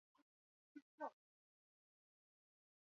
格罗斯迪本是德国萨克森州的一个市镇。